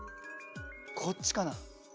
こっちかな？